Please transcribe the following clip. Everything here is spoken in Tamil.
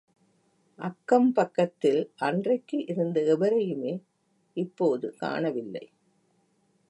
அக்கம்பக்கத்தில் அன்றைக்கு இருந்த எவரையுமே, இப்போது காணவில்லை.